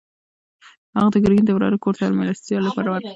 هغه د ګرګین د وراره کور ته د مېلمستیا لپاره ورغی.